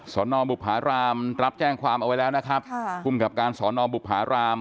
สอนอบุภารามรับแจ้งความเอาไว้แล้วนะครับค่ะภูมิกับการสอนอบุภาราม